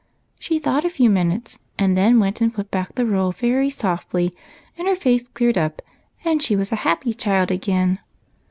She thought a few minutes, and then went and put back the roll very softly, and her face cleared up, and she was a happy child again.